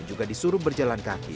juga disuruh berjalan kaki